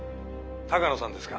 鷹野さんですか？